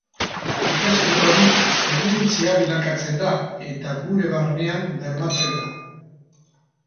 Ikasketa hori esperientzia bilakatzen da, eta gure barnean bermatzen da.